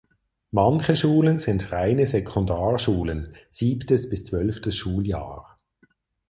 Manche Schulen sind reine Sekundarschulen (siebtes bis zwölftes Schuljahr).